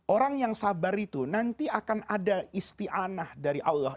orang yang sabar itu nanti akan ada istianah dari allah